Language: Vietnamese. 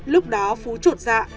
lúc đó phú chuột dạ